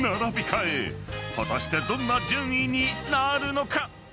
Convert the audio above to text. ［果たしてどんな順位になるのか？］